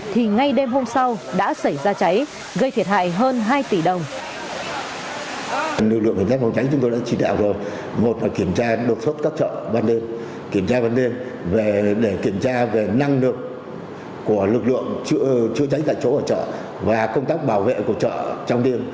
thì ngay đêm hôm sau đã xảy ra cháy gây thiệt hại hơn hai tỷ đồng